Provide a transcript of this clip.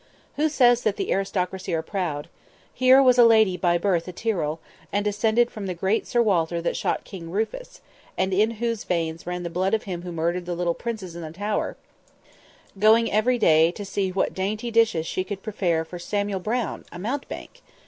Who says that the aristocracy are proud? Here was a lady by birth a Tyrrell, and descended from the great Sir Walter that shot King Rufus, and in whose veins ran the blood of him who murdered the little princes in the Tower, going every day to see what dainty dishes she could prepare for Samuel Brown, a mountebank!